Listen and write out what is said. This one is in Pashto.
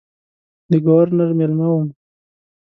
د ګورنر مېلمه وم.